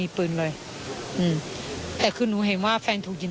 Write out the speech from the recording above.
ส่วนรถที่นายสอนชัยขับอยู่ระหว่างการรอให้ตำรวจสอบ